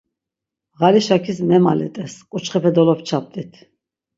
Ğalişakis memalet̆es, k̆uçxepe dolopçapt̆it̆.